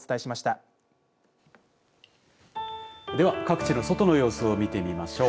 では各地の外の様子を見てみましょう。